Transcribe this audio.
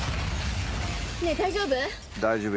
ねぇ大丈夫？